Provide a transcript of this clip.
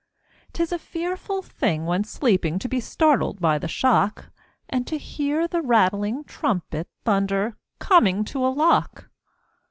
'Tis a fearful thing when sleeping To be startled by the shock, And to hear the rattling trumpet Thunder, "Coming to a lock!"